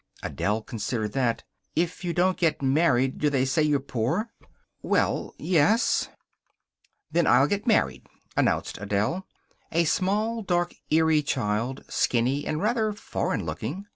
Adele considered that. "If you don't get married do they say you're poor?" "Well yes " "Then I'll get married," announced Adele. A small, dark, eerie child, skinny and rather foreign looking.